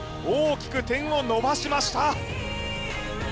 大きく点を伸ばしました！